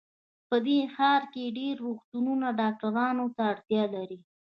په دې ښار کې ډېر روغتونونه ډاکټرانو ته اړتیا لري